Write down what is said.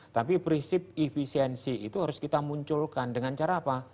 tapi prinsip efisiensi itu harus kita munculkan dengan cara apa